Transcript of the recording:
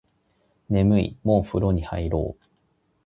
眠いもうお風呂入ろう